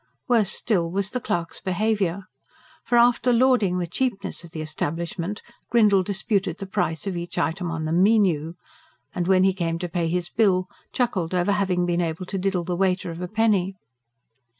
Worse still was the clerk's behaviour. For after lauding the cheapness of the establishment, Grindle disputed the price of each item on the "meenew," and, when he came to pay his bill, chuckled over having been able to diddle the waiter of a penny.